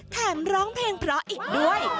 ร้องเพลงเพราะอีกด้วย